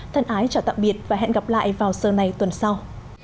thân ái chào tạm biệt và hẹn gặp lại vào sơ này tuần sau